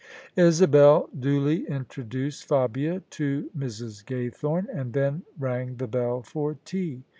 Isabel duly introduced Fabia to Mrs. Gaythorne, and then rang the bell for tea.